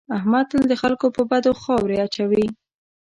احمد تل د خلکو په بدو خاورې اچوي.